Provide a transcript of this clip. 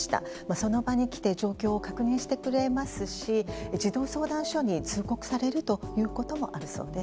その場に来て状況を確認してくれますし児童相談所に通告されるということもあるそうです。